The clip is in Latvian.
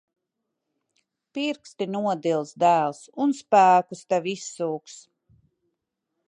Pirksti nodils, dēls. Un spēkus tev izsūks.